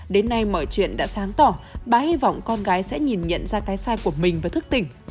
đến nay mọi chuyện đã sáng tỏ bà hy vọng con gái sẽ nhìn nhận ra cái sai của mình và thức tỉnh